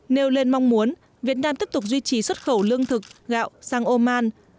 nêu lên mong muốn việt nam tiếp tục duy trì xuất khẩu lương thực gạo sang oman